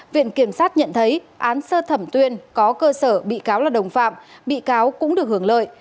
viện kiểm sát nhận thấy án sơ thẩm tuyên có cơ sở bị cáo là đồng phạm bị cáo cũng được hưởng lợi